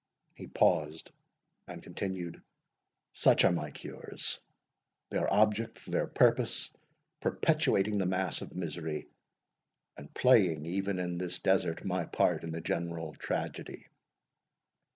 He paused, and continued, "Such are my cures; their object, their purpose, perpetuating the mass of misery, and playing even in this desert my part in the general tragedy.